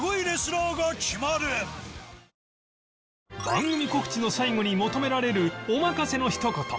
番組告知の最後に求められるお任せの一言